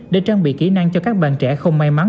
để trang bị kỹ năng cho các bạn trẻ không may mắn